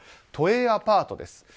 都営アパートです。